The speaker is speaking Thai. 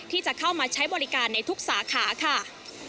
ที่จะเข้ามาใช้บริการในทุกสาขาค่ะ